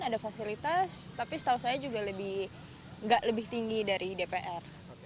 ada fasilitas tapi setahu saya juga lebih tinggi dari dpr